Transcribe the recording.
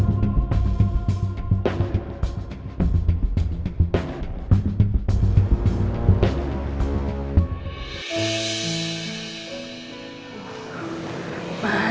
sakti bukan kamu